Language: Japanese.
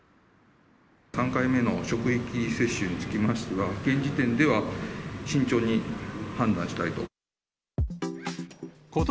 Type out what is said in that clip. ３回目の職域接種につきましては、現時点では慎重に判断したいと。